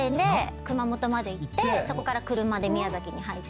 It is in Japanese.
熊本まで行ってそこから車で宮崎に入って。